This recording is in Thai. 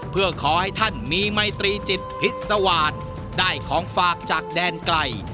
เพื่อขอให้ท่านมีไมตรีจิตพิษสวาสตร์ได้ของฝากจากแดนไกล